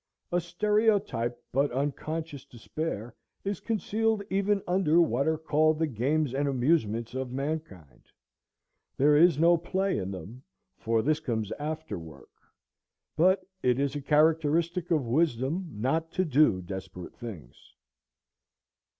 A stereotyped but unconscious despair is concealed even under what are called the games and amusements of mankind. There is no play in them, for this comes after work. But it is a characteristic of wisdom not to do desperate things.